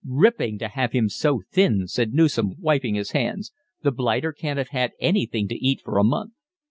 "Ripping to have him so thin," said Newson, wiping his hands. "The blighter can't have had anything to eat for a month."